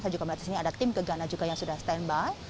saya juga melihat di sini ada tim kegana juga yang sudah stand by